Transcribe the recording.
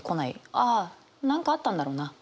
ああ何かあったんだろうな。